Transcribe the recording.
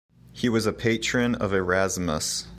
He was a patron of Erasmus.